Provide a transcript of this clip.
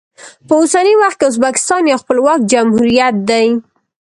په اوسني وخت کې ازبکستان یو خپلواک جمهوریت دی.